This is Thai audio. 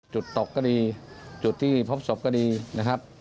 ตกก็ดีจุดที่พบศพก็ดีนะครับ